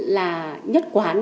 là nhất quán